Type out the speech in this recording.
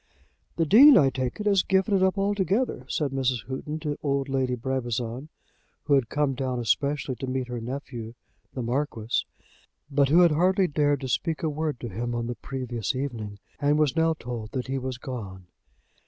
"The Dean, I take it, has given it up altogether," said Mrs. Houghton to old Lady Brabazon, who had come down especially to meet her nephew, the Marquis, but who had hardly dared to speak a word to him on the previous evening, and was now told that he was gone.